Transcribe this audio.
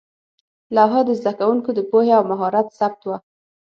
لوحه د زده کوونکو د پوهې او مهارت ثبت وه.